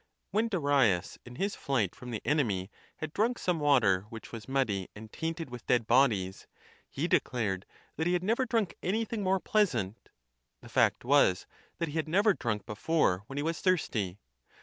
When Darius, in his flight from the enemy, had drunk some water which was muddy and tainted with dead bodies, he declared that he had never drunk anything more pleasant; the fact was, that he had never drunk before when he was thirsty.